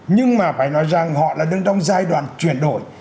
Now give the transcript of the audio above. nhưng mà phải nói rằng họ là đang trong giai đoạn chuyển đổi